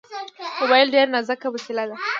موبایل ډېر نازک وسیله ده.